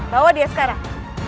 bawa dia sekarang